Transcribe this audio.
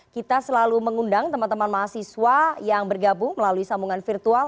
kita selalu mengundang teman teman mahasiswa yang bergabung melalui sambungan virtual